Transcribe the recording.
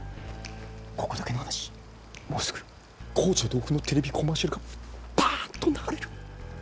ここだけの話もうすぐ紅茶豆腐のテレビコマーシャルがバンと流れる。